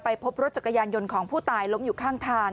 พบรถจักรยานยนต์ของผู้ตายล้มอยู่ข้างทาง